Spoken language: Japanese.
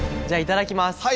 じゃあいただきます！